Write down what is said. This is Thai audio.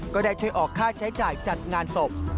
ก็ได้ช่วยออกค่าใช้จ่ายจัดงานศพ